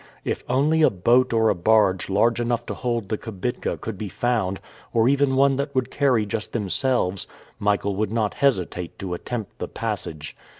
If only a boat or a barge large enough to hold the kibitka could be found, or even one that would carry just themselves, Michael would not hesitate to attempt the passage!